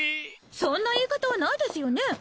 そんな言い方はないですよね。